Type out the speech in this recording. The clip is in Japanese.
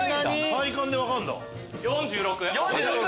体感で分かるんだ。